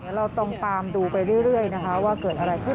เราต้องตามดูไปเรื่อยนะคะว่าเกิดอะไรขึ้น